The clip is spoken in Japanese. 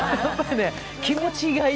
気持がいい。